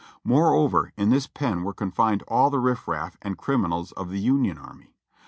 Moreover, in this pen were confined all the rifif raff and criminals of the Union army.